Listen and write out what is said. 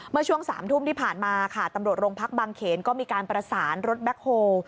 เมื่อช่วง๓ทุ่มที่ผ่านมาค่ะตำรวจโรงพักบางเขนก็มีการประสานรถแบ็คโฮล